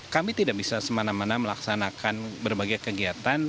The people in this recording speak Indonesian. kami tidak bisa semana mana melaksanakan berbagai kegiatan